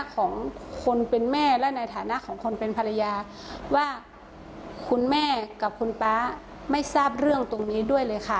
ของคนเป็นแม่และในฐานะของคนเป็นภรรยาว่าคุณแม่กับคุณป๊าไม่ทราบเรื่องตรงนี้ด้วยเลยค่ะ